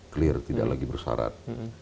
clear tidak lagi bersyarat